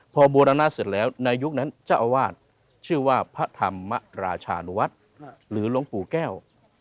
พอบูรณะเสร็จแล้วในยุคนั้นเจ้าอาวาสชื่อว่าพระธรรมราชานุวัฒน์หรือหลวงปู่แก้ว